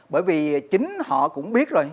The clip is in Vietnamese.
bởi vì chính họ cũng biết rồi